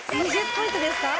２０ポイントですか？